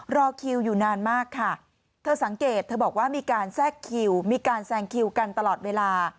รอคิวอยู่นานมากค่ะเธอสังเกตเธอบอกว่ามีการแทรกคิวมีการแซงคิวกันตลอดเวลา